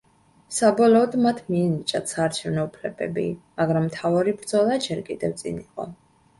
საბოლოოდ, მათ მიენიჭათ საარჩევნო უფლებები, მაგრამ მთავარი ბრძოლა ჯერ კიდევ წინ იყო.